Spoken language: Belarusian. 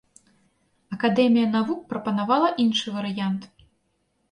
Акадэмія навук прапанавала іншы варыянт.